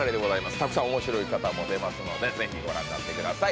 たくさん面白い方も出ますので是非、ご覧になってください。